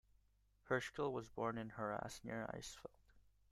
Heuschkel was born in Harras near Eisfeld.